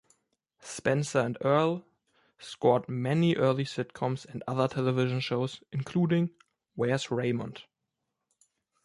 Spencer and Earle scored many early sitcoms and other television shows, including Where's Raymond?